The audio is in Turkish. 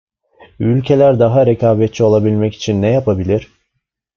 Ülkeler daha rekabetçi olabilmek için ne yapabilir?